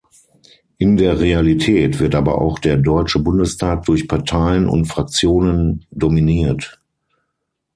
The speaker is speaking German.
In der Realität wird aber auch der Deutsche Bundestag durch Parteien und Fraktionen dominiert.